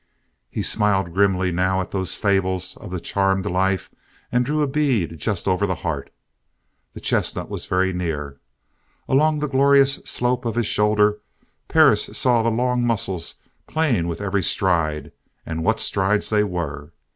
He smiled grimly now at those fables of the charmed life and drew a bead just over the heart. The chestnut was very near. Along the glorious slope of his shoulder Perris saw the long muscles playing with every stride, and what strides they were!